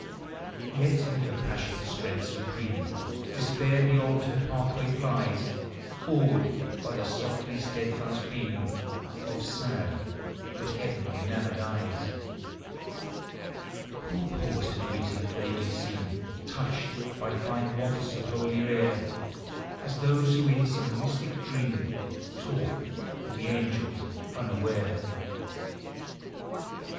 Yet in her passionate strength supreme, Despair beyond her pathway flies, Awed by the softly steadfast beam Of sad, but heaven enamored eyes ! Who pause to greet her, vaguely seem Touched bv fine wafts of holier air; As those who in some mystic dream Talk with the angels unaware !